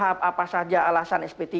apa saja alasan sp tiga